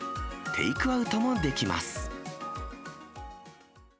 テイクアウトもできます。